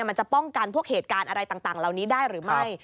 มันจะป้องกันพวกเหตุการณ์อะไรต่างเหล่านี้ได้หรือไม่